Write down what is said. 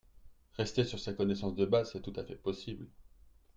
Rester sur ces connaissances de base, c’est tout à fait possible.